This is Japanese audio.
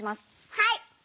はい！